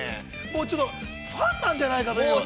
もうちょっとファンなんじゃないかという。